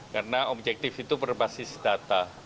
karena objektif itu berbasis data